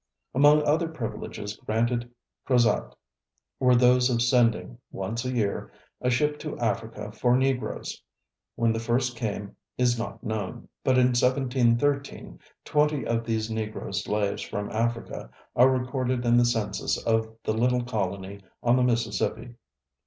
Among other privileges granted Crozat were those of sending, once a year, a ship to Africa for Negroes. When the first came, is not known, but in 1713 twenty of these Negro slaves from Africa are recorded in the census of the little colony on the Mississippi.